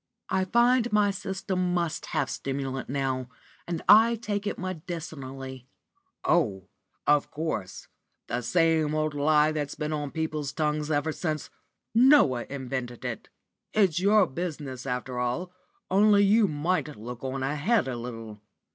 "I find my system must have stimulant now, and I take it medicinally." "Oh, of course the same old lie that's been on people's tongues ever since Noah invented it. It's your business after all, only you might look on ahead a little.